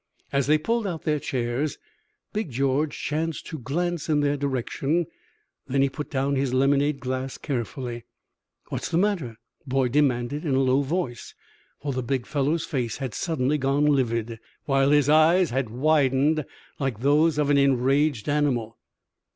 As they pulled out their chairs, Big George chanced to glance in their direction; then he put down his lemonade glass carefully. "What's the matter?" Boyd demanded, in a low tone, for the big fellow's face had suddenly gone livid, while his eyes had widened like those of an enraged animal.